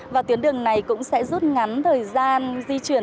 và tuyến đường này cũng sẽ rút ngắn thời gian di chuyển